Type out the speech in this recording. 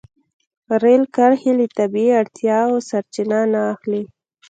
رېل کرښې له طبیعي اړتیاوو سرچینه نه اخلي.